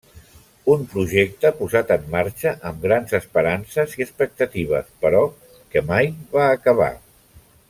Un projecte posat en marxa amb grans esperances i expectatives, però que mai va acabar.